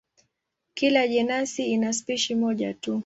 Kila jenasi ina spishi moja tu.